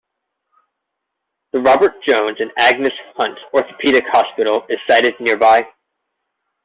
The Robert Jones and Agnes Hunt Orthopaedic Hospital is sited nearby.